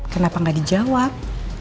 kenapa gak dijawab